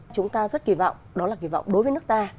chúng ta rất kỳ vọng đó là kỳ vọng đối với nước ta